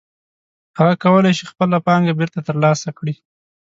هغه کولی شي خپله پانګه بېرته ترلاسه کړي